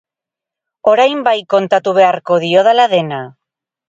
Orain bai kontatu beharko diodala dena!